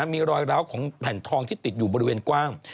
มีรอยร้าวของแผ่นทองที่ติดอยู่บริเวณกว้าง